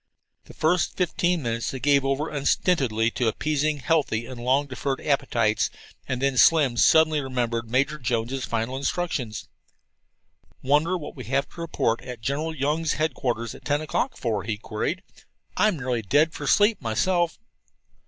The first fifteen minutes they gave over unstintedly to appeasing healthy and long deferred appetites, and then Slim suddenly remembered Major Jones' final instructions. "Wonder what we have to report at General Young's headquarters at ten o'clock for?" he queried. "I'm nearly dead for sleep myself."